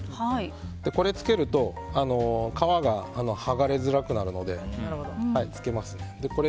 これをつけると皮が剥がれづらくなるので。